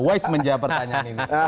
wise menjawab pertanyaan ini